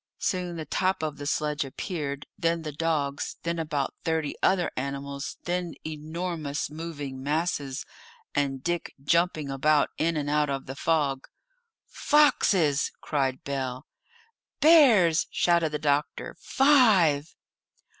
Soon the top of the sledge appeared, then the dogs, then about thirty other animals, then enormous moving masses, and Dick jumping about in and out of the fog. "Foxes!" cried Bell. "Bears!" shouted the doctor. "Five!"